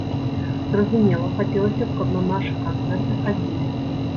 Зразумела, хацелася б, каб на нашы канцэрты хадзілі.